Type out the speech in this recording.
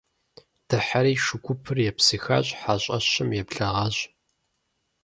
Дыхьэри шу гупыр епсыхащ, хьэщӀэщым еблэгъащ.